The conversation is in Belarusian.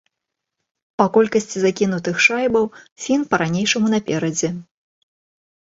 Па колькасці закінутых шайбаў фін па-ранейшаму наперадзе.